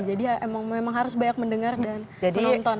jadi memang harus banyak mendengar dan menonton